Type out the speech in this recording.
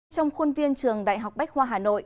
trong khuôn viên trường đại học bách khoa hà nội